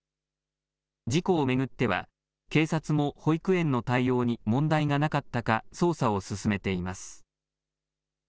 事故を巡っては警察も保育園の対応に問題がなかったか捜査を進めています。